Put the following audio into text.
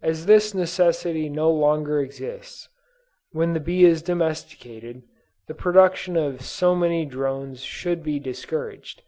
As this necessity no longer exists, when the bee is domesticated, the production of so many drones should be discouraged.